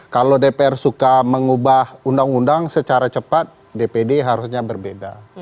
kalau dpr suka mengubah undang undang secara cepat dpd harusnya berbeda